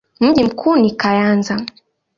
Mji mkuu ni Kayanza.